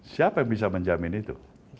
siapa yang bisa menjamin itu